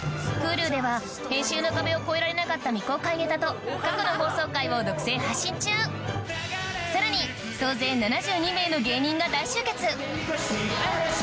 Ｈｕｌｕ では編集の壁を越えられなかった未公開ネタと過去の放送回を独占配信中さらに総勢７２名の芸人が大集結